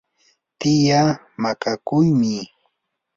tiyaa nakakuqmi.